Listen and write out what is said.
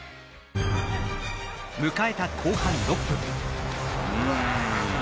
迎えた後半６分。